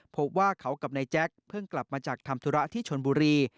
พบว่าเขากับนายแจ๊คเพิ่งกลับมาจากทำธุระที่ชนบุรี